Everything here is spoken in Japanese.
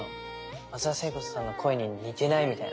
松田聖子さんの声に似てない？みたいな。